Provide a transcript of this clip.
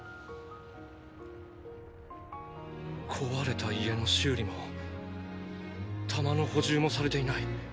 壊れた家の修理も弾の補充もされていない。